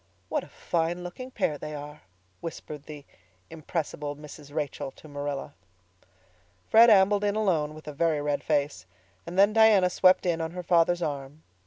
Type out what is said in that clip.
"What a fine looking pair they are," whispered the impressible Mrs. Rachel to Marilla. Fred ambled in alone, with a very red face, and then Diana swept in on her father's arm.